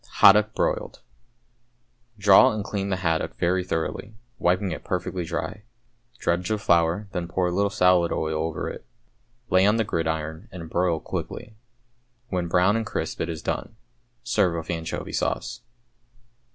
=Haddock, Broiled.= Draw and clean the haddock very thoroughly, wiping it perfectly dry. Dredge with flour, then pour a little salad oil over it. Lay on the gridiron and broil quickly. When brown and crisp it is done. Serve with anchovy sauce.